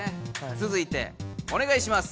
つづいてお願いします。